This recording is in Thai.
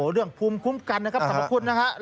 เรื่องภูมิคุ้มกันสำคัญ